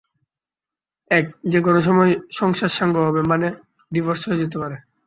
এক, যেকোনো সময় সংসার সাঙ্গ হবে, মানে ডিভোর্স হয়ে যেতে পারে।